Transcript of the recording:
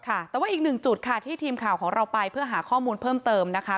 ค่ะแต่ว่าอีกหนึ่งจุดค่ะที่ทีมข่าวของเราไปเพื่อหาข้อมูลเพิ่มเติมนะคะ